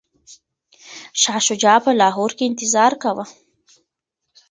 شاه شجاع په لاهور کي انتظار کاوه.